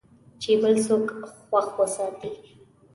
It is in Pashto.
چې بل څوک خوښ وساتې .